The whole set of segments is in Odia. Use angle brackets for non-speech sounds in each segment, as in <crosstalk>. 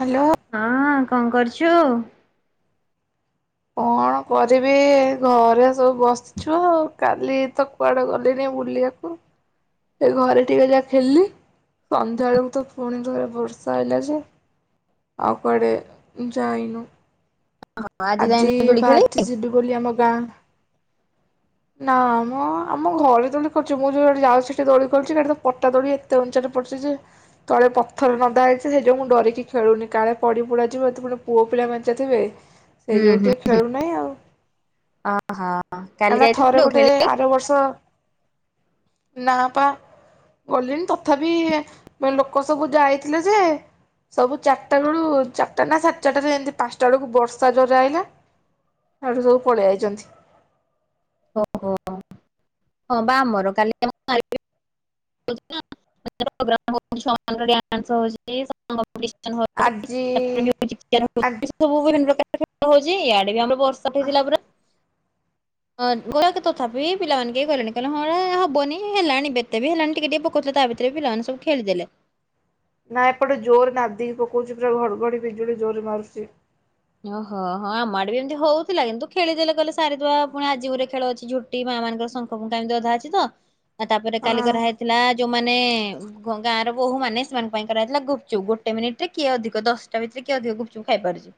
ହ୍ୟାଲୋ। ହଁ କଣ କରୁଚୁ। କଣ? କରିବି ଘରେ ସବୁ ବସିଚୁ ଆଉ କାଲି ତ କୁଆଡେ ଗଲିଣିି ବୁଲିବାକୁ? ଏ ଘରେ ଟିକେ ଯାହା ଖେଲିି? ସନ୍ଧ୍ୟା ବେଳକୁ ତ ପୁଣି ଥରେ ବର୍ଷା ଆଇଲା ଯେ ଆଉ କୁଆଡେ ଯାଇନୁ। ଆଜି ଯାଇନୁ ଦୋଳି ଖେଳି ବାହାରଚି ଯିବି ବୋଲି ଆମ ଗାଁ। ନା ଆମ ଆମ ଘରେ ଦୋଳି କରୁଚି ମୁଁ ଯୋଉ ଯାଉଚି ସେଟି ଦୋଳି କରୁଚି ସେଇଟି ତ ପଟା ଦୋଳି ତେ ଉଞ୍ଚାରୁ ପଡ଼ୁଚି ଯେ ତଳେ ପଥର ନଦା ହେଇଛି ସେ ଯୋଉ ମୁଁ ଡରିକି ଖେଳୁନି କାଳେ ପଡି ପୁଡା ଯିବ ଏତେ ବ ପୁଅ ପିଲା ମେଞ୍ଚେ ଥିବେ ସେଇ ହୁଁ ଯୋଗୁଁ ଟିକେ ଖେଳୁନେଇଁ ଆଉ। <inaudible> ହଁ <inaudible> କା ନା ଥରେ ଗୋଟେ ଆର ବର୍ଷ ନା ପା। ଗଲିଣି ତଥାପି ଵ ଲୋକ ସବୁ ଯାଇଥିଲେ ଯେ ସବୁ ଚାରିଟା ବେଳୁ ଚାରିଟା ନା ସା ଚାରିଟା ରେ ଏମତି ପାଂସାଟା ବେଳକୁ ବର୍ଷା ଜୋରରେ ଆଇଲା ସାଡୁ ସବୁ ପଳେଇ ଆଇଚନ୍ତି। ଓହୋ ହଁ ବା <unintelligible> <unintelligible> <unintelligible> ସବୁ ବିଭିନ୍ନ ପ୍ରକାର ଖେଳ ଆଜି ହଉଛି ଇଆଡ଼େ ବି ଆମର ବର୍ଷା ହେଇଥିଲା ପୁରା ହଁ ଗରକେ ତଥାପି ପିଲାମାନେ କେ ଗଲେନି କହିଲେ ହଁ ଏ ହବନି ହେଲାଣି ବେତେ ବି ହେଲାଣି ଟିକେ ଟିକେ ପ କହୁଥିଲେ, ତା ଭିତରେ ପିଲାମାନେ ସବୁ ଖେଳିଦେଲେ। ନା ଏପଟେ ଜୋରରେ ନାଦିକି ପକଉଛି, ପୁରା ଘଡ଼ଘଡ଼ି ବିଜୁଳି ଜୋରରେ ମାରୁଛି। ଓହୋ ହଁ ଆମ ଆଡେ ବି ଏମତି ହଉଥିଲା, କିନ୍ତୁ ଖେଳିଦେଲେ କହିଲେ ସାରି ଦବା ପୁଣି ଆଜି ଗୋଟେ ଖେଳ ଅଛି ଝୋ ଝୋଟି ମା ମାନଙ୍କର ଶଙ୍ଖ ଫୁଙ୍କା ଏମିତି ଅଧା ଅଛି ତ ଆଉ ତାପରେ ହଁ କାଲି କରା ହେଇଥିଲା ଯୋଉ ମାନେ ଗାଁ ର ବୋହୁ ମାନେ ସେମାନଙ୍କ ପାଇଁ କରାଥିଲା ଗୁପଚୁପ ଗୋଟେ ମିନିଟ ରେ କିଏ ଅଧିକ ଦଶ ତା ଭିତରେ କିଏ ଅଧିକ ଗୁପଚୁପ ଖାଇପାରୁଛି।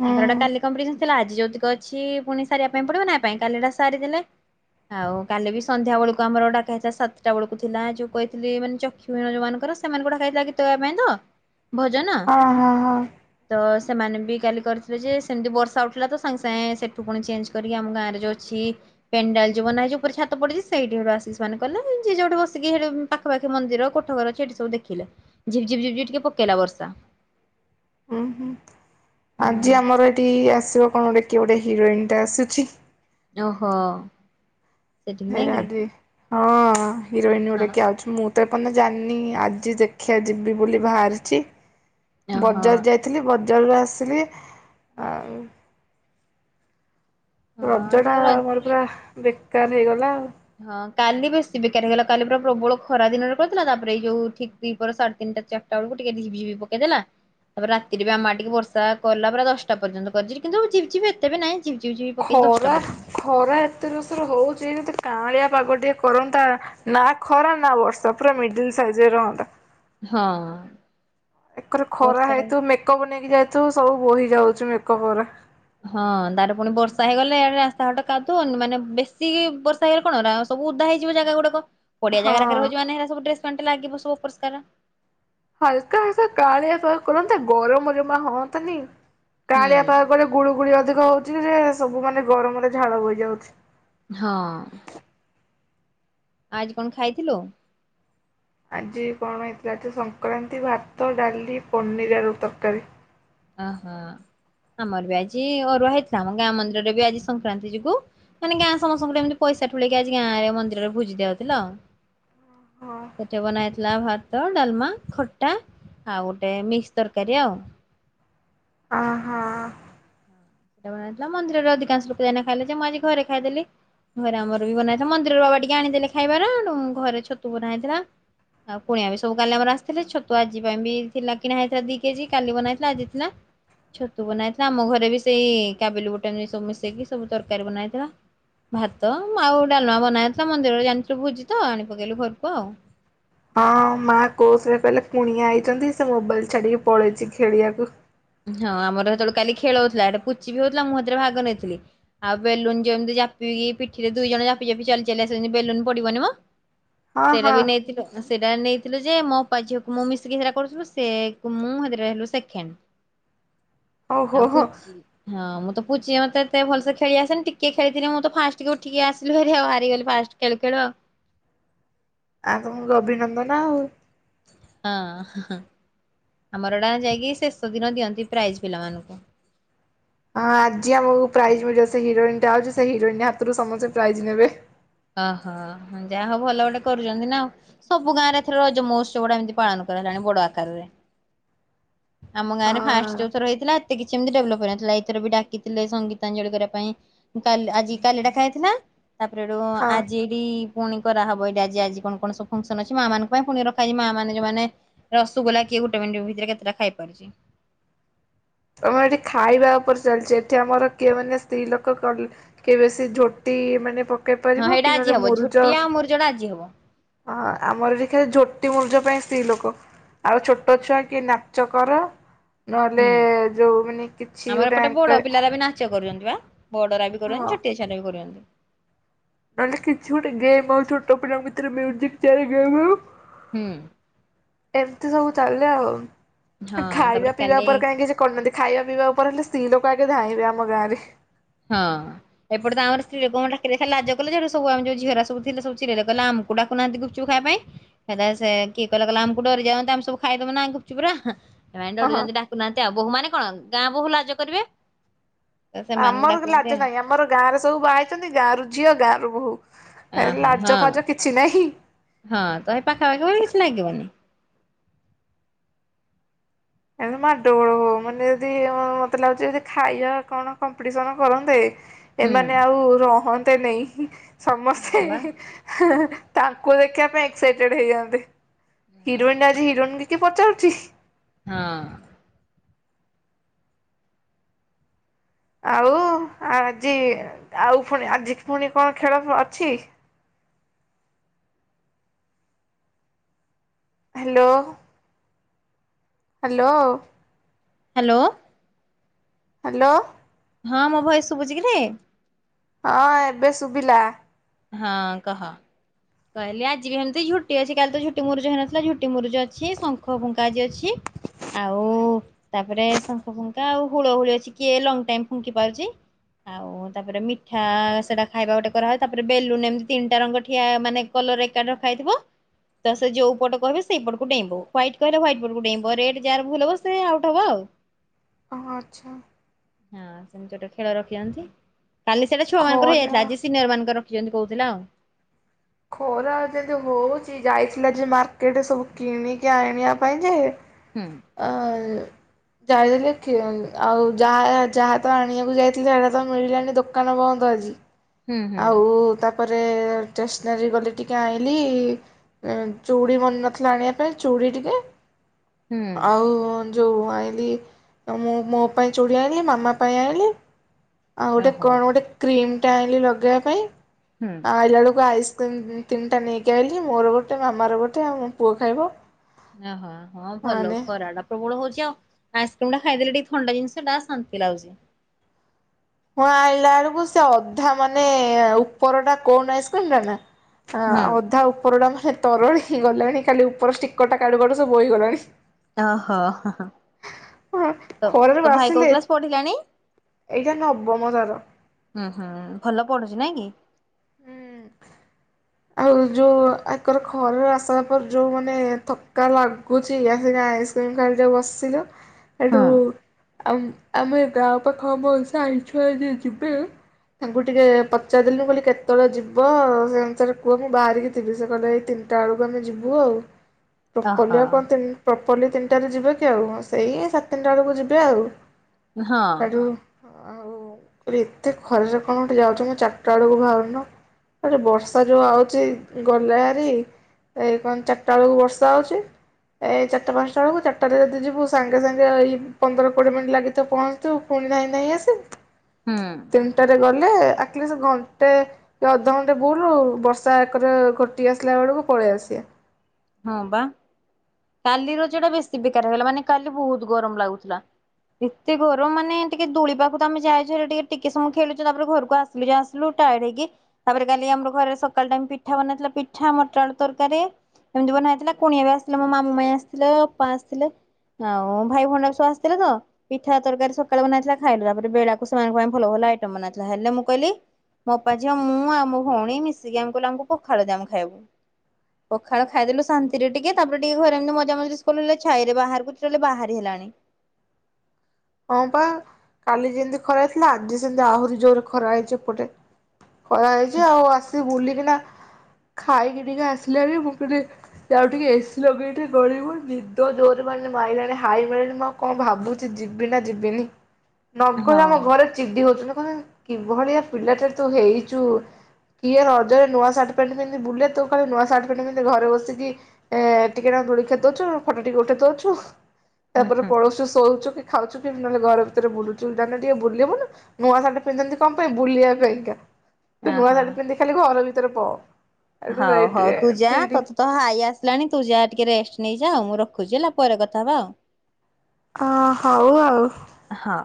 ହୁଁ ତାଙ୍କର ଗୋଟେ କାଲି କମ୍ପିଟେସନ ଥିଲା ଆଜି ଯୋଉତିକ ଅଛି ପୁଣି ସାରିବା ପାଇଁ ପଡିବ ନା ପାଇଁ କାଲିଟା ସାରିଦଲେ। ଆଉ କାଲି ବି ସନ୍ଧ୍ୟା ବେଳକୁ ଆମର ଡାକା ହେଇଥିଲା ସାତଟା ବେଳକୁ ଥିଲା ଯୋଉ କହିଥିଲି ମାନେ ଚ <unintelligible> ଯୋଉମାନଙ୍କର ସେମାନଙ୍କୁ ଡାକା ହେଇଥିଲା ଗୀତ ଗାଇବା ପାଇଁ ତ ଭଜନ, ହଁ ହଁ ହଁ ତ ସେମାନେ ବି କାଲି କରିଥିଲେ ଯେ, ସେମିତି ବର୍ଷା ଉଠିଲା ତ ସାଙ୍ଗେ- ସାଙ୍ଗେ ସେଠୁ ପୁଣି ଚେଞ୍ଜ କରିକି ଆମ ଗାଁରେ ଯୋଉ ଅଛି ପେଣ୍ଡାଲ ଯୋଉ ମାନେ ଆଜି ଉପରେ ଛାତ ପଡିଛି ସେଇଠିଠୁ ଆସିକି ସେମାନେ କଲେ ଯିଏ ଯୋଉଠି ବସି କି ହେ ପାଖାପାଖି ମନ୍ଦିର କୋଠ ଘର ଏଇଠି ସବୁ ଦେଖିଲେ ଝିପ୍-ଝିପ୍‌ ଟିକେ ପକାଇଲା ବର୍ଷା। ଉଁ, ହୁଁ ଆଜି ହୁଁ ଆମର ଏଠି ଆସିବ କଣ ଗୋଟେ କିଏ ଗୋଟେ ହିରୋଇନ ଟା ଆସିଛି। ଓହୋ। ସେଠିକି <unintelligible> ନାଇଁ କି? ହଁ, ହିରୋଇନ ଗୋଟେ ହଁ। କିଏ ଆଉଚି ମୁଁ ମୁଁ ତ ଏପର୍ଯ୍ୟନ୍ତ ଜାଣିନି ଆଜି ଦେଖିବା ଯିବି ବୋଲି ବାହାରିଛି ଓହୋ ବଜାର ଯାଇ ଥିଲି ବଜାରରୁ ଆସିଲି ଆ ହଁ ରଜ ତ ଟା, ମୋର ପୁରା ବେକାର ହେଇଗଲା ଆଉ। ହଁ, କାଲି ବେଶୀ ବେକାର ହେଇଗଲା କାଲି ପୁରା ପ୍ରବଳ ଖରା ଦିନରେ କରିଥିଲା ତାପରେ ଏ ଯୋଉ ଠିକ୍ ଦିପହର ସାଢ଼େ ତିନଟା ଚା ଚାରିଟା ବେଳକୁ ଟିକେ ଝିପ୍-ଝିପ୍ ପକେଇ ଦେଲା। ତାପରେ ରାତିରେ ବି ଆମ ଆଡେ ଟିକେ ବର୍ଷା କଲା ପରା ଦଶଟା ପର୍ଯ୍ୟନ୍ତ କରିଛି କିନ୍ତୁ ଝିପ୍-ଝିପ୍ ଏତେ ବି ନାଇଁ। ଝିପ୍-ଝିପ୍ ପକେଇ ଖରା ଦଶଟା ପରେ। ଖରା ଏତେ ଯୋରଷେ ହଉଚି ଯଦି କାଆଁଳିଆ ପାଗ ଟିକେ କରନ୍ତା ନାଁ ଖରା, ନା ବର୍ଷା, ପୁରା ମିଡିଲ ସାଇଜରେ ରହନ୍ତା। ହଁ ଏକରେ ଖରା ବର୍ଷାରେ ହେଇଥିବ ମେ ମେକପ୍ ନେଇକି ଯାଇଥିବୁ ସବୁ ବହି ଯାଉଚି ମେକଅପ୍ ଗୁରା। ହଁ, ତାର ପୁଣି ବର୍ଷା ହେଇଗଲେ ଏଆଡେ ରାସ୍ତାଘାଟ କାଦୁଅ ମାନେ ବେଶୀ ବର୍ଷା ବର୍ଷା ହେଇଗଲେ କଣ ରାଓ ସବୁ ଉଦା ହେଇଯିବ ଜାଗା ଗୁଡାକ ପଡିଆ ହଁ ଜାଗାରେ ଖାରେ ହେଉଚି ମାନେ ସବୁ ଡ୍ରେସ ପେଣ୍ଟ ଲାଗିବ ସବୁ ଅପରିଷ୍କାର। ହାଲକା-ହାଲକା କାଆଁଳିଆ ପାଗ କରନ୍ତା ଗରମ ଜମା ହୁଅନ୍ତାନି କାଆଁଳିଆ ହୁଁ ପା ମାନେ ଗୁଳୁ ଗୁଳି ଅଧିକ ହଉଛି ଯେ ସବୁ ମାନେ ଗରମରେ ଝାଳ ବହିଯାଉଛି। ହଁ। ଆଜି କଣ ଖାଇଥିଲୁ? ଆଜି କଣ ହେଇଥିଲା, ଯେ ସଂକ୍ରାନ୍ତି ଭାତ, ଡାଲି, ପନିର୍ ଆଳୁ ତରକାରୀ। ଓହୋ, ଆମର ବି ଆଜି ଅରୁଆ ହେଇଥିଲା ଆମ ଗାଁ ମନ୍ଦିରରେ ବି ଆଜି ସଂକ୍ରାନ୍ତି ଯୋଗୁ ମାନେ ଗାଁ ସମସ୍ତଙ୍କ ଏମିତି ପଇସା ଠୁଳେଇକି ଆଜି ଗାଁରେ ମନ୍ଦିରରେ ଭୋଜିି ଦିଆହଉଥିଲା। ହଁ ସେଠି ବନା ହେଇଥିଲା ଭା ଭାତ, ଡାଲମା, ଖଟା, ଆଉ ଗୋଟେ ମିକ୍ସ ତରକାରୀ ଆଉ। ଆ ହା। ଏଇଆ ବନା ହେଇଥିଲା ମନ୍ଦିର ରେ ଅଧିକାଂଶ ଲୋକ ଜାଇକିନା ଖାଇଲେ ଯେ ମୁଁ ଆଜି ଘରେ ଖାଇଦେଲି। ଘରେ ଆମର ବି ବନାଇଥିଲା ମନ୍ଦିରର ବାବା ଟିକେ ଆଣିଦେଲେ ଖାଇବାର ଘରେ ଛତୁ ବନା ହେଇଥିଲା। ଆଉ କୁଣିଆ ବି ସବୁ କାଲି ଆମର ଆସିଥିଲେ ଛତୁ ଆଜି ପାଇଁ ବି ଥିଲା କିଣା ହେଇଥିଲା ଦି କେଜି କାଲି ବନାହେଇଥିଲା ଆଜି ଥିଲା। ଛତୁ ବନା ହେଇଥିଲା ଆମ ଘରେ ବି ସେଇ କାବୁିଲି ବୁଟା ନେଇ ସବୁ ମିଶେଇକି ସବୁ ତରକାରୀ ବନା ହେଇଥିଲା। ଭାତ, ଆଉ ଡାଲମା ବନା ହେଇଥିଲା ମନ୍ଦିରରେ ଜାଣିଥିଲୁ ଭୋଜି ତ ଆଣି ପକେଇଲୁ ଘରକୁ ଆଉ। ହଁ, ମା କରୁଥିଲେ କହିଲେ କୁଣିଆ ଆଇଛନ୍ତି ସେ ମୋବାଇଲ ଛାଡିକି ପଳେଇଛି ଖେଳିବାକୁ। ହଁ ଆମର ହେତେବେଳେ କାଲି ଖେଳ ହଉଥିଲା ଏଟା ପୁଚି ବି ହଉଥିଲା ମୁଁ ହେଥିରେ ଭାଗ ନେଇଥିଲି। ଆଉ ବେଲୁନ୍ ଯେମିତି ଚାପିକି ପିଠିରେ ଦୁଇ ଜାପି ଜାପି ଚାଲି ଚାଲି ଆସନ୍ତି ବେଲୁନ ପଡିବନି ମ। <inaudible> ଢେରା ବି ନେଇଥିଲୁ। ସେଇଟା ନେଇଥିଲୁ ଯେ ମୋପା ଝିଅକୁ ମୁଁ ମିଶିକି ସେଟା କରୁଥିଲୁ ସେ ମୁଁ ହେଥିରେ ହେଲୁ ସେକେଣ୍ଡ। ଓହୋ ଆ ହୋ ହୋ ପୁଚି ହଁ ମୁଁ ତ ପୁଚି ମତେ ଏତେ ଭଲସେ ଖେଳିଆସେନି ଟିକେ ଖେଳିଥିଲି ମୁଁ ତ ଫାଷ୍ଟ ଟିକେ ଉଠିକି ଆସିଲି ଭାରି ଆଉ ହାରିଗଲି ଫାଷ୍ଟ। ଖେଳୁ ଖେଳୁ ଆ ଆ ତମକୁ ଅଭିନନ୍ଦନ ଆଉ। ହଁ ହାଁ ଆମର ଏଟା ଯାଇକି ଶେଷ ଦିନ ଦିଅନ୍ତି ପ୍ରାଇଜ ପିଲାମାନଙ୍କୁ। ହଁ ଆଜି ଆମକୁ ପ୍ରାଇଜ୍ ମିଳିବ ସେ ହିରୋଇନଟା ଆଉଚି ସେ ହିରୋଇନ ହାତରୁ ସମସ୍ତେ ପ୍ରାଇଜ୍ ନେବେ। ଓହୋ ଯାହା ହଉ ଭଲ ଗୋଟେ କରୁଚନ୍ତି ନା ଆଉ। ସବୁ ଗାଁରେ ଏଥର ରଜ ମହୋତ୍ସବ ଗୁଟା ଏମିତି ପାଳନ କରା ହେଲାଣି ବଡ ଆକାରରେ। ଆମ ଗାଁରେ ଫାଷ୍ଟ ହଁ ଯୋଉ ଥର ହେଇଥିଲା ଏତେ କିଛି ଏମିତି ଡେଭଲପ ହେଇନ ଥିଲା ଏଇଥର ବି ଡାକିଥିଲେ ସଙ୍ଗୀତାଞ୍ଜଳି କରିବା ପାଇଁ। କାଲି ଆଜି କାଲି ଡକା ହେଇଥିଲା ତାପରେ ଏଠୁ ହଁ ଆଜି ଡି ପୁଣି କରାହବ ଏଇଠି ଆଜି ଆଜି କଣ କଣ ସବୁ ଫଙ୍କସନ ଅଛି ମା ମାନଙ୍କ ପାଇଁ ପୁଣି ରଖାଯାଇଛି ମା ମାନେ ଯୋଉମାନେ ରସଗୋଲା କିଏ ଗୋଟେ ମିନିଟ ଭିତରେ କେତେଟା ଖାଇ ପାରୁଛି। ଆମର ଏଠି ଖାଇବା ଉପରେ ଚାଲିଛି ଏଠି ଆମର କିଏ ମାନେ ସ୍ତ୍ରୀ ଲୋକ କରି କେବେ ସେ ଝୋଟି ମାନେ ପକେଇ ପାରିବ କି ନଲେ ମୁରୁଜ ଜଣ ଆଜି ହବ। ହ ଆମର ଦେଖା ଝୋଟି ମୂର୍ଜ ପାଇଁ ସ୍ତ୍ରୀ ଲୋକ ଆଉ ଛୋଟ ଛୁଆ କି ନା ଚ କର ନହେଲେ ହୁଁ। ଯୋଉ ମାନେ କିଛି ଗୋଟେ ଆଙ୍କଆ ଚ କରୁଚନ୍ତି ବା ବଡରା ବି କରୁଚନ୍ତି ଛୋଟିଆ ଛୁଆଟା ବି କରୁଚନ୍ତି। ନହେଲେ କିଛି ଗୋଟେ ଗେମ୍ ଆଉ ଛୋଟ ପିଲାଙ୍କ ଭିତରେ ମ୍ୟୁଜିକ ଚେୟାର ଗେମ୍ ହଉ ହୁଁ। ଏମିତି ସବୁ ଚାଲେ ଆଉ ହଁ ତାପରେ ଖାଇବା ପିଇବା କାଲି ଉପରେ କାହିଁକିଛି କଣନାନ୍ତି ଖାଇବା ପିଇବା ଉପରେ ହେଲେ ସ୍ତ୍ରୀ ଲୋକ ଆଗେ ଧାଇବେ ଆମ ଗାଁରେ। ହଁ ଏପଟେ ତ ଆମର ସ୍ତ୍ରୀ ଲୋକଙ୍କୁ ଡାକିଲେ ଖାଲି ଲାଜ କଲେ ଯେ ହେଟୁ ସବୁ ଆମେ ଯୋଉ ଝିଅରା ସବୁ ଥିଲେ ସବୁ ଚିଲେଇଲେ କହିଲେ ଆମ ଡାକୁ ନାହାନ୍ତି ଗୁପଚୁପ ଖାଇବା ପାଇଁ। ହେଲେ ସେ କିଏ କହିଲା କଲା ଆମକୁ ଡରିଯାଆନ୍ତି ଆମେ ସବୁ ଖାଇଦବୁ ନା ଗୁପଚୁପ ଉରା। ସେମାନେ ହଁ ହଁ ଡରୁଚନ୍ତି ଡାକୁନାହାନ୍ତି ଆଉ ବୋହୂ ମାନେ କଣ ଗାଁବୋହୁ ଲାଜ କରିବେ ସେମାନଙ୍କୁ ଡା ଆମର ଲାଜ ନାହିଁ ଆମର ଗାଁରେ ସବୁ ବାହା ହେଇଛନ୍ତି ଗାଁରୁ ଝିଅ ଗାଁରୁ ବୋହୁ ଅହ ଲାଜ ହଁ। ଫାଜ କିଛି କିଛି ନାହିଁ। ହଁ ତହ ହେଇ ପାଖାପାଖି କିଛି ଲାଗିବନି। ଏବେ ମାଡଗୋଳ ହଉ ମାନେ ଯଦି ମତେ ଲାଗୁଛି ଯଦି ଖାଇବା କଣ କମ୍ପିଟିସନ କରନ୍ତେ ହୁଁ ଏମାନେ ଆଉ ରହନ୍ତେନି। ସମସ୍ତେ ହଁ ବା। ତାଙ୍କୁ ଦେଖିବା ପାଇଁ ଏକ୍ସାଇଟେଡ ହେଇଯାଆନ୍ତେ। ହିରୋଇନ ଆଜି ହିରୋଇନକି କିଏ ପଚାରୁଛି। ହଁ। ଆଉ ଆଜି ଆଉ ପୁଣି ଆଜି ପୁଣି କଣ ଖେଳ ଅଛି? ହ୍ୟାଲୋ। ହ୍ୟାଲୋ। ହ୍ୟାଲୋ। ହାଲୋ। ହଁ ମୋ ଭୟେସ ସବୁଚିକିରେ ହଁ ଏବେ ଶୁଭିଲା। ହଁ କହ କହିଲେ ଆଜି ବି ଏମିତି ଝୁଟି ଅଛି କାଲି ତ ଝୁଟି ମୁରୁଜ ହେଇନଥିଲା ଝୁଟି ମୁରୁଜ ଅଛି ଶଙ୍ଖ ପୁଙ୍କା ଆଜି ଅଛି ଆଉ ତାପରେ ଶଙ୍ଖ ଫୁଙ୍କା ଆଉ ହୁଳ ହୁଳି ଅଛି କିଏ ଲଙ୍ଗ ଟାଇମ୍ ଫୁଙ୍କି ପାରୁଛି। ଆଉ ତାପରେ ମିଠା ସେଟା ଖାଇବା ଗୋଟେ କରାହ ତାପରେ ବେଲୁନ ଏମିତିତିନିଟା ରଙ୍ଗ ଠିଆ ମାନେ କଲର ଏକାଠି ରଖା ହେଇଥିବ। ତ ସେ ଯୋଉ ପଟ କହିବେ ସେଇପଟକୁ ଡେଇଁବ ହ୍ୱାଇଟ କହିଲେ ହ୍ୱାଇଟ ପଟକୁ ଡେଇଁବ ରେଡ ଯାହାର ଭୁଲ ହବ ସେ ଆଉଟ ହବ ଆଉ। ଓଃ ଆଚ୍ଛା। ହଁ ସେମିତି ଗୋଟେ ଖେଳ ରଖିଛନ୍ତି କାଲି ସେଇଟା ଛୁଆ ମାନଙ୍କର ଖରା ହେଇଯାଇଥିଲା ଆଜି ସିନିୟର ମାନ ରଖିଛନ୍ତି କହୁଥିଲା ଆଉ। ଖରା ଯେମିଦି ହଉଛି ଯାଇଥିଲା ଯେ ମାର୍କେଟ ସବୁ କିଣିକି ଆଣିବା ପାଇଁ ଯେ ହୁଁ। ଆ ଯାଇଥିଲେ କି ଆଉ ଯାହା ଯାହା ତ ଆଣିବାକୁ ଯାଇଥିଲେ ସେଟା ତ ମିଳିଲାଣିି ଦୋକାନ ବନ୍ଦ ଆଜି। ହୁଁ ହୁଁ। ଆଉ ତାପରେ ଷ୍ଟେସନାରୀ ଗଲେ ଟିକେ ଆଣିଲି। ଚୁଡ଼ି ମନେ ନଥିଲା ଆଣିବା ପାଇଁ ଚୁଡ଼ି ଟିକେ ହୁଁ ଆଉ ଯୋଉଁ ଆଣିଲି ମୁଁ ମୋ ପାଇଁ ଚୁଡ଼ି ଆଣିଲି ମାମା ପାଇଁ ଆଣିଲି। ଆଉ ଗୋଟେ ଓହୋ କଣ ଗୋଟେ କ୍ରିମ୍ଟା ଆଣିଲି ଲଗେଇବ ପାଈଁ ହୁଁ। ଆଇଲା ବେଳକୁ ଆଇସ୍କ୍ରିମ୍। ତିନିଟା ନେଇକି ଆଇିଛି ମୋର ଗୋଟେ ମାମାର ଗୋଟେ ଆଉୋ ପୁଅ ଖାଇବ। ଓହୋ ହଁ ଭଲ ମାନେ ଖରା ଟା ପ୍ରବଳ ଖରା ହଉଛି ଆଉ ଆଇସ୍କ୍ରିମ ଟା ଖାଇଦେଲେ ଟିକେ ଥଣ୍ଡା ଜିନିଷ ଟା ଶାନ୍ତି ଲାଗୁଛି। ହଁ ଆଣିଲା ବେଳକୁ ସେ ଅଧା ମାନେ ଉପର ଟା କନ ଆଇସ୍କ୍ରିମ ଟା ନା ଆ ହୁଁ ଅଧା ଉପର ଟା ମାନେ ତରଳି ହେଇ ଗଲାଣି ଖାଲି ଉପର ଷ୍ଟିକର ଟା କାଡୁ କାଡୁ ସବୁ ବୋହି ହେଇଗଲାଣି ଓହୋ ହଁ ହଁ। ହଁ ଖରାରୁ ଆସିଲେ କ୍ଲାସ ପଢିଲାଣି? ଏଇଟା ନବ ମ ତାର ହୁଁ ହୁଁ ଭଲ ପଢୁଛି ନାଇଁ କି? ହୁଁ। ଆଉ ଯୋଉ ଆକର ଘର ଆସିଲା ପରେ ଯୋଉ ମାନେ ଥକା ଲାଗୁଛି ଆସଙ୍ଗେ ସ ଗାଡ଼ିରେ ବସିଲୁ ହୁଁ ଏଠୁ ଆ ଆମେ ଗାଁ ପାଖ ବସ ସାଇ ଛୁଆ ଯେ ଯିବେ ତାଙ୍କୁ ଟିକେ ପଚାରିଦଲନୁ କହିଲି କେତେ? ଯେତେବେଳେ ଯିବ ସେ ଅନୁସାରେ କୁହ ମୁଁ ବାହାରିକି ଥିବି ସେ କହିଲଲେ ଏଇ ତିନିଟା ବେଳକୁ ଆମେ ଯିବୁ ଆଉ। ପ୍ରପର୍ଲି ଓହୋ ଆଉ କଣ ପ୍ରପର୍ଲି ତିନିଟାରେ ଯିବେ କି ଆଉ ସେଇ ସାତଟା ବେଳକୁ ଯିବେ ଆଉ। ହଁ। ହେଠୁ ଆଉ ଏତେ ଖରାରେ କଣ ଗୋଠେ ଯାଉଛ ମ ଚାରିଟା ବେଳକୁ ବାହାରୁନ। ଆରେ ବର୍ଷା ଯୋଉ ଆଉଛି ଗଲା ହରି ଏ କଣ ଚାରିଟା ବେଳକୁ ବର୍ଷା ହଉଛି। ଏ ଚାରିଟା ପାଞ୍ଚଟା ବେଳକୁ ଚାରିଟାରେ ଯଦି ଯିବୁ ସାଙ୍ଗେ ସାଙ୍ଗେ ଏଇ ପନ୍ଦର କୋଡ଼ିଏ ମିନିଟ୍ ଲାଗିଥିବ ପହଞ୍ଚଥିବ। ପୁଣିି ଧାଇଁ ଧାଇଁ ଆସିବୁ। ହୁଁ। ତିନିଟରେ ଗଲେ ଆର୍ଟଲିଷ୍ଟ ଘଣ୍ଟେ। କି ଅଧଘଣ୍ଟେ ବୁଲୁ ବର୍ଷା ଏକରେ ଘୋଟି ଆସିଲା ବେଳକୁ ପଳେଇ ଆସିବା। ହଁ ବା କାଲି ରଜଟା ବେଶୀ ବେକାର ହେଇଗଲା ମାନେ କାଲି ବହୁତ ଗରମ ଲାଗୁଥିଲା। ଏତେ ଗରମ ମାନେ ଟିକେ ଦୋଳି ପାଖକୁ ତମେ ଯାଇଛ ଟିକେ ଟିକେ ସମୟ ଖେଳୁଛ ତାରେ ଘରକୁ ଆସୁ ଆସିଲୁ ଟାଏଡ଼େ ହେଇକି। ତାପରେ କାଲି ଆମର ଘରେ ସକାଳ ଟାଇ ପିଠା ବନେଇଥିଲା ପିଠା ମଟର ତରକାରୀ। ଏମିତି ବନା ହେଇଥିଲା କୁଣିଆ ବି ଆସିଥିଲେ, ମୋ ମାମୁଁ ମାଇଁ ଆସିଥିଲେ, ଅପା ଆସିଥିଲେ। ଆଉ ଭାଇ ଭଣ୍ଡାର ସବୁ ଆସିଥିଲେ ତ ପିଠା ତରକାରୀ ସକାଳେ ବନାହେଇଥିଲା ଖାଇଲୁ ତାପରେ ବେଳାକୁ ସେମାନଙ୍କ ପାଇଁ ଭଲ ଭଲ ଆଇଟମ ବନାହେଇଥିଲା ହେଲେ ମୁଁ କଇଲି ମୋ ଅପା ଝିଅ ମୁଁ ଆଉ ମୋ ଭଉଣୀ ମିଶିକି ଆମେ କହିଲୁ ଆମକୁ ପଖାଳ ଦେ ଆମେ ଖାଇବାକୁ। ଖାଳ ଖାଇଦେଲୁ ଶାନ୍ତିରେ ଟିକେ ତାପରେ ଟିକେ ଘରେ ଏମତି ମଜା ମଜ୍ଲିସ୍ କଲୁ ହେଲେ ଛାଇରେ ବାହାରକୁ ଟୋଟାଲି ବାହାରି ହେଲାନି। ହଁ ପା କାଲି ଯେମତି ଖରା ଥିଲା ଆଜି ସେମିତି ଆହୁରି ଜୋରେ ଖରା ହେଇଛି ଏପଟେ। ଖରା ହେଇଚି ଆଉ ଆସିି ବୁଲିକିନା ଖାଇକି ଟିକେ ଆସିଲି ହାରି ମୁଁ କଲି ଯାଉ ଟିକେ ଏସି ଲଗେଇକି ଟିକେ ଗଡିବି ନିଦ ଜୋରରେ ମାନେ ମାଇଲାଣି ହାଇ ମାଇଲାଣି ମୁଁ ଆଉ କଁ ଭାବୁଛି ଯି ଯିବି ନା ଯିବିନି ହଁ ନଗଲେ ଆମ ଘରେ ଚିଡି ହଉଚନ୍ତି କହୁଚନ୍ତି କିଭଳିଆ ପିଲା ଟେ ତୁ ହେଇଚୁ। କିଏ ରଜରେ ନୂଆ ସାର୍ଟ ପ୍ୟାଣ୍ଟ ପିନ୍ଧି ବୁଲେ ତୁ ଖାଲି ନୂଆ ସାର୍ଟ ପ୍ୟାଣ୍ଟ ପିନ୍ଧି ଘରେ ବସିକି ଏ ଟିକେ ନାକୁ ଦୋଳି ଖେଦଉଛୁ ଫଟ ଟିକେ ଉଠେଇ ଦଉଛୁ ଉଁ ତାପରେ ହୁଁ। ପଳଶୁ ଶୋଉଚୁ। ଖାଉଛୁ କି ନହେଲେ ଘର ଭିତରେ ବୁଲୁଚୁ ଯାନଟିକେ ବୁଲିବୁନୁ। ନୂଆ ଶାର୍ଟ ପିନ୍ଧନ୍ତି କଁ ପାଇଁ ବୁଲିବା ପାଇଁ କା। ତୁ ନୂଆ ଓହୋ ଶାଢୀ ପିନ୍ଧି ଖାଲି ଘର ଭିତରେ ପଅ। ହଉ ହଉ ତୁ ଯା ତ ତୋ ହାଇ ଆସିଲାଣି ତୁ ଯାଆ ଟିକେ ରେଷ୍ଟ ନେଇଯା ମୁଁ ରଖୁଛି ହେଲା ପରେ କଥା ହବା ଆଉ। ଅ ହଉ ଆଉ। ହ।